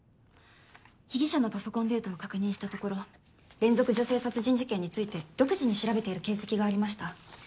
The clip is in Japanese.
被疑者のパソコンデータを確認したところ連続女性殺人事件について独自に調べている形跡がありました。